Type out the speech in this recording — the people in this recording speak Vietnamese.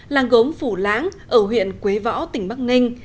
làng gốm phủ lãng ở huyện quế võ tỉnh bắc ninh